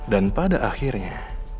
dan pada akhirnya